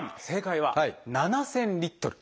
正解は７，０００Ｌ。